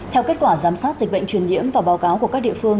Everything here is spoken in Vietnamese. theo kết quả giám sát dịch bệnh truyền nhiễm và báo cáo của các địa phương